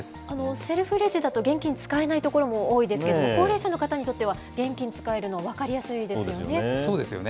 セルフレジだと現金使えない所も多いですけども、高齢者の方にとっては、現金使えるの、分かりやすいですよね。